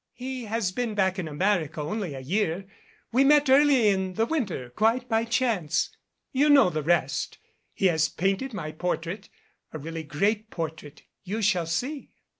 He has been back in America only a year. We met early in the winter quite by chance. You know the rest. He has painted my por trait a really great portrait. You shall see."